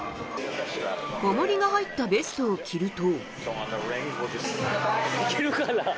おもりが入ったベストを着ると。